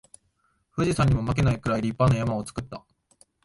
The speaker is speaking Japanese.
富士山にも負けないくらい立派な山を作った